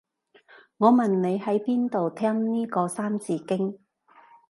我問你喺邊度聽呢個三字經